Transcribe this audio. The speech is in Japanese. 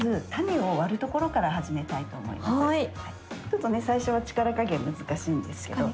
ちょっとね最初は力加減難しいんですけど。